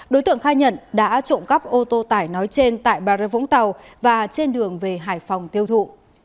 đối tượng khai nhận đã trộm cắp ô tô tải nói trên tại bà rê vũng tàu và trên đường về hải phòng tiêu thụ